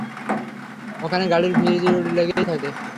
ওখানে গাড়ির ভীড় লেগেই থাকে।